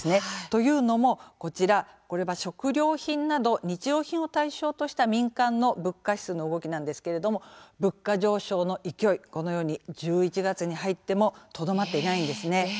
というのも、こちら食料品など日用品を対象とした民間の物価指数の動きなんですけれども物価上昇の勢い、このように１１月に入ってもとどまっていないんですね。